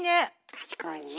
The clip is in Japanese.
賢いね。